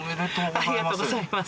ありがとうございます。